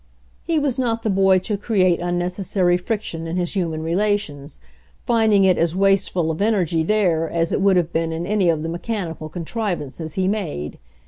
He was not the boy to create unnecessary friction in his human relations, finding it as wasteful of energy there as it would have been in any of the mechanical contrivances he made.